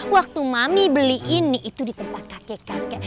waktu mami beli ini itu di tempat kakek kakek